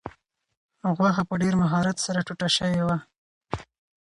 غوښه په ډېر مهارت سره ټوټه شوې وه.